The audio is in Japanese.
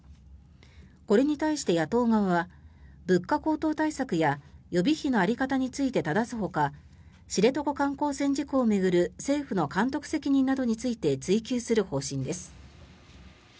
これに対して野党側は物価高騰対策や予備費の在り方についてただすほか知床観光船事故を巡る政府の監督責任などについて追及する方針です。